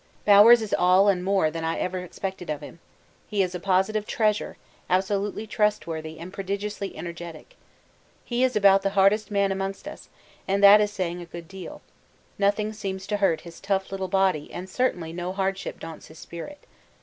'Bowers is all and more than I ever expected of him. He is a positive treasure, absolutely trustworthy and prodigiously energetic. He is about the hardest man amongst us, and that is saying a good deal nothing seems to hurt his tough little body and certainly no hardship daunts his spirit.